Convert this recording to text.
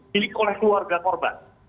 pilih oleh keluarga korban